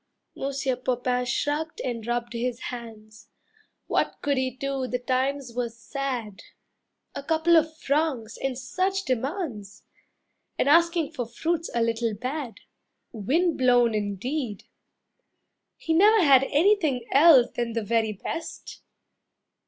Monsieur Popain shrugged and rubbed his hands. What could he do, the times were sad. A couple of francs and such demands! And asking for fruits a little bad. Wind blown indeed! He never had Anything else than the very best.